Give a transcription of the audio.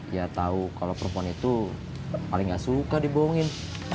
ya tahu kalau perempuan itu paling gak suka dibohongin